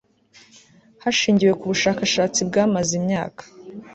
hashingiwe kubushakashatsi bwamaze imyaka